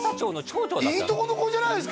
いいとこの子じゃないですか！